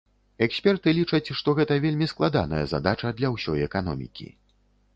Эксперты лічаць, што гэта вельмі складаная задача для ўсёй эканомікі.